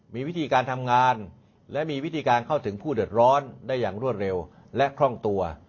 มีวิธีการทำงานและมีวิธีการเข้าถึงผู้เดือดร้อนได้อย่างรวดเร็วและคล่องตัว